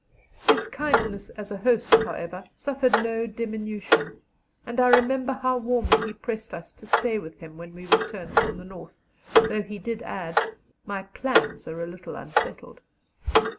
His kindness as a host, however, suffered no diminution, and I remember how warmly he pressed us to stay with him when we returned from the north, though he did add, "My plans are a little unsettled."